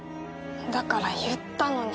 だから言ったのに。